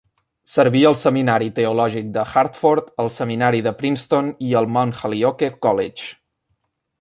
Serví al seminari teològic de Hartford, al seminari de Princeton, i al Mount Holyoke College.